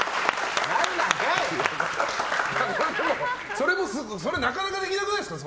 それもなかなかできなくないですか。